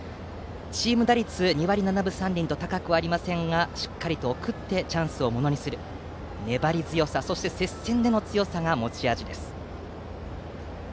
チーム打率２割７分３厘と高くはありませんがしっかりと送ってチャンスをものにする粘り強さ、そして接戦での強さが持ち味です。